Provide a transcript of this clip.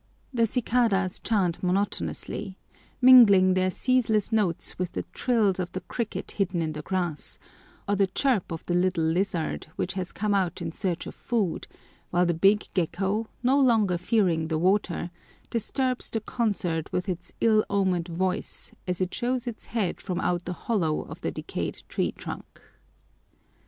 The cicadas chant monotonously, mingling their ceaseless notes with the trills of the cricket hidden in the grass, or the chirp of the little lizard which has come out in search of food, while the big gekko, no longer fearing the water, disturbs the concert with its ill omened voice as it shows its head from out the hollow of the decayed tree trunk.